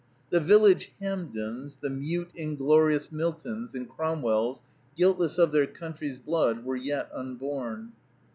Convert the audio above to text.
The "Village Hampdens," the "mute, inglorious Miltons," and Cromwells, "guiltless of" their "country's blood," were yet unborn.